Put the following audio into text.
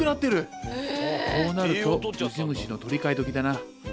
こうなるとウジ虫の取り替えどきだな。